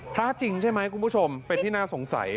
พระจริงใช่ไหมคุณผู้ชมเป็นที่น่าสงสัย